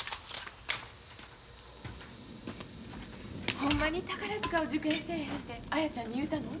・ほんまに宝塚を受験せえへんて綾ちゃんに言うたの？